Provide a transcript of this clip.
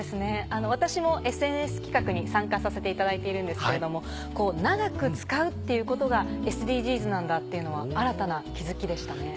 あの私もＳＮＳ企画に参加させていただいているんですけれどもこう長く使うっていうことがＳＤＧｓなんだっていうのは新たな気付きでしたね。